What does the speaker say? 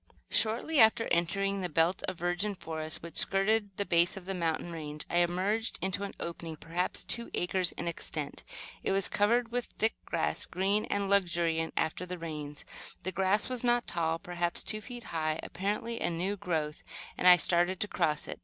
Shortly after entering the belt of virgin forest which skirted the base of the mountain range, I emerged into an opening, perhaps two acres in extent. It was covered with thick grass, green and luxuriant after the rains. The grass was not tall, perhaps two feet high, apparently a new growth, and I started to cross it.